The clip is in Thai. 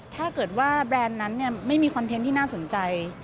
ถ้าเกิดว่าแบรนด์นั้นไม่มีคอนเทนต์ที่น่าสนใจ